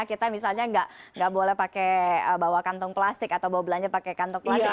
kita misalnya nggak boleh pakai bawa kantong plastik atau bawa belanja pakai kantong plastik